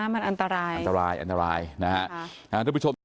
มันอันตรายนะครับทุกผู้ชม